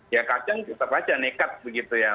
ya kadang kadang nekat begitu ya